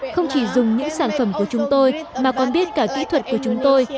không chỉ dùng những sản phẩm của chúng tôi mà còn biết cả kỹ thuật của chúng tôi